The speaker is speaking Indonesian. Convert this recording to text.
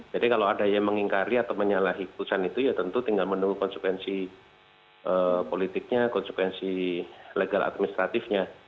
jadi kalau ada yang mengingkari atau menyalahi keputusan itu ya tentu tinggal menunggu konsepensi politiknya konsepensi legal administratifnya